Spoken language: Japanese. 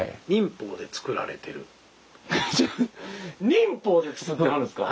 忍法で作ってはるんですか？